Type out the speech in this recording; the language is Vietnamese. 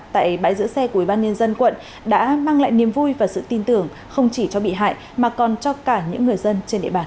tại bãi giữ xe của ubnd quận đã mang lại niềm vui và sự tin tưởng không chỉ cho bị hại mà còn cho cả những người dân trên địa bàn